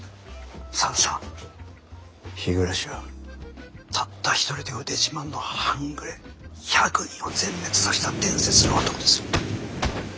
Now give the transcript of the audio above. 沢田さん日暮はたった一人で腕自慢の半グレ１００人を全滅させた伝説の男です。